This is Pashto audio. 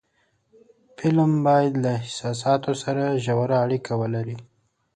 فلم باید له احساساتو سره ژور اړیکه ولري